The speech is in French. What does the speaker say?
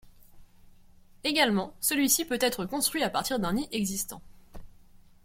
Également, celui-ci peut être construit à partir d'un nid existant.